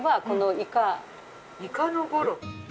イカのゴロ？